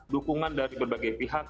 dukungan dari berbagai pihak